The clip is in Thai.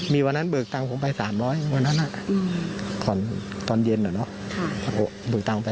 มีวันนั้นเบิกตังคงไป๓๐๐วันนั้นอ่ะตอนเย็นเหรอเนาะเบิกตังไป๓๐๐